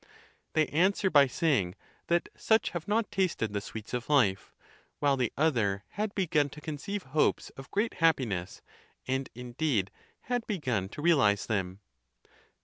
They answer by saying that such have not tasted the sweets of life; while the other had begun to conceive hopes of great happiness, and, indeed, had begun to realize them.